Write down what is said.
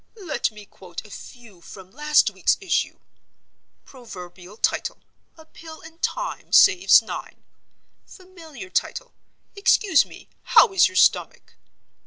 Let me quote a few from last week's issue. Proverbial Title: 'A Pill in time saves Nine.' Familiar Title: 'Excuse me, how is your Stomach?